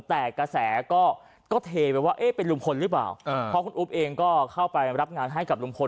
แต่กระแสก็เทไปว่าเอ๊ะเป็นลุงพลหรือเปล่าเพราะคุณอุ๊บเองก็เข้าไปรับงานให้กับลุงพล